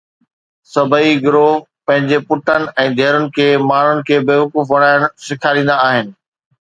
سڀئي گرو پنهنجن پٽن ۽ ڌيئرن کي ماڻهن کي بيوقوف بڻائڻ سيکاريندا آهن